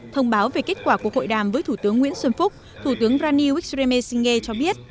thông báo về kết quả cuộc hội đàm với thủ tướng nguyễn xuân phúc thủ tướng rani wtry mesine cho biết